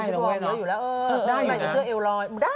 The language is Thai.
เวอร์คอยจะเสื้อเอวรอย